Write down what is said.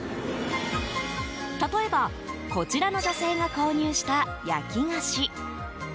例えば、こちらの女性が購入した焼き菓子。